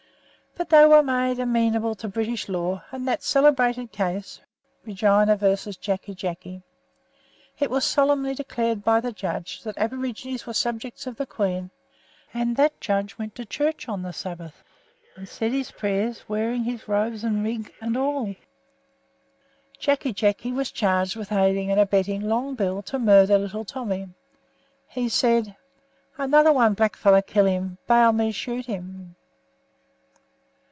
But they were made amenable to British law; and in that celebrated case, "Regina v. Jacky Jacky," it was solemnly decided by the judge that the aborigines were subjects of the Queen, and that judge went to church on the Sabbath and said his prayers in his robes of office, wig and all. Jacky Jacky was charged with aiding and abetting Long Bill to murder little Tommy. He said: "Another one blackfellow killed him, baal me shoot him."